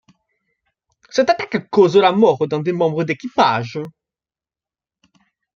Cette attaque cause la mort d'un des membres d'équipage.